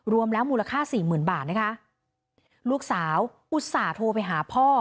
รวมแล้วมูลค่าสี่หมื่นบาทนะคะลูกสาวอุตส่าห์โทรไปหาพ่อ